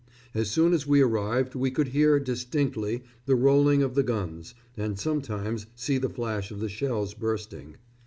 As soon as we arrived we could hear distinctly the rolling of the guns, and sometimes see the flash of the shells bursting.